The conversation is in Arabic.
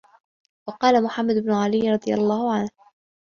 وَقَالَ مُحَمَّدُ بْنُ عَلِيٍّ رَضِيَ اللَّهُ عَنْهُ